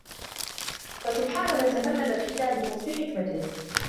فَسُبْحَانَ مَنْ تَفَرَّدَ فِينَا بِلُطْفِ حِكْمَتِهِ